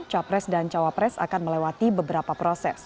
capres dan cawapres akan melewati beberapa proses